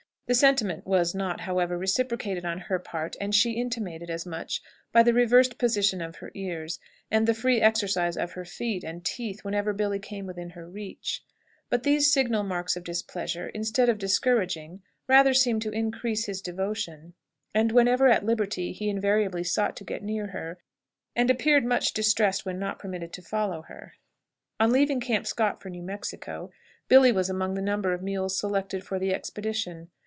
The sentiment was not, however, reciprocated on her part, and she intimated as much by the reversed position of her ears, and the free exercise of her feet and teeth whenever Billy came within her reach; but these signal marks of displeasure, instead of discouraging, rather seemed to increase his devotion, and whenever at liberty he invariably sought to get near her, and appeared much distressed when not permitted to follow her. On leaving Camp Scott for New Mexico Billy was among the number of mules selected for the expedition.